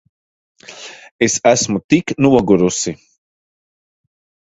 Es esmu tik nogurusi.